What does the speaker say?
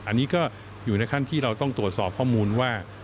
อันนี้ก็อยู่ในขั้นที่เราต้องตรวจสอบข้อมูลว่า